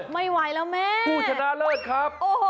ไม่ไหวแล้วแม่ผู้ชนะเลิศครับ